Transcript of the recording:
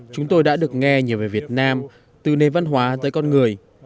chúng tôi đã được nghe nhiều về việt nam từ nền văn hóa tới con người